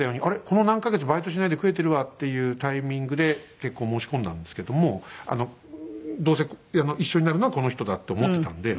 この何カ月バイトしないで食えてるわっていうタイミングで結婚を申し込んだんですけどもどうせ一緒になるのはこの人だって思ってたんで。